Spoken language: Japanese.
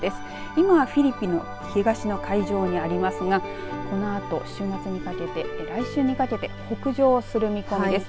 今フィリピンの東の海上にありますがこのあと週末にかけて来週にかけて北上する見込みです。